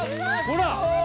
ほら！